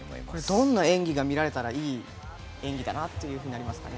どんな演技が見られたらいい演技だなとなりますか？